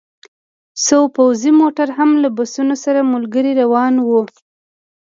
څو پوځي موټر هم له بسونو سره ملګري روان وو